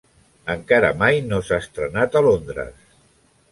Encara mai no s'ha estrenat a Londres.